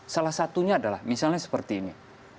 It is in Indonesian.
salah satunya adalah misalnya seperti ini